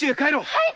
はい！